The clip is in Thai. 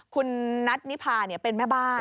คุณนัทนิพาเป็นแม่บ้าน